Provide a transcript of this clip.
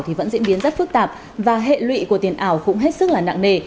thì vẫn diễn biến rất phức tạp và hệ lụy của tiền ảo cũng hết sức là nặng nề